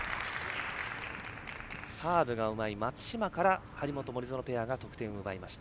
サーブがうまい松島から張本、森薗ペアが得点を奪いました。